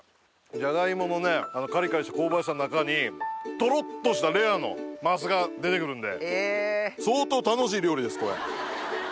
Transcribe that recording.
じゃがいものカリカリした香ばしさの中にトロっとしたレアのマスが出てくるんで。